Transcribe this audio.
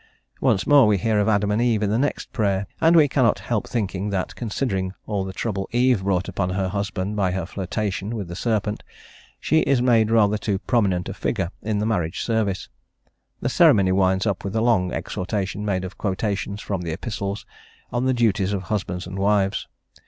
Once more we hear of Adam and Eve in the next prayer, and we cannot help thinking that, considering all the trouble Eve brought upon her husband by her flirtation with the serpent, she is made rather too prominent a figure in the marriage service. The ceremony winds up with a long exhortation, made of quotations from the Epistles, on the duties of husbands and wives.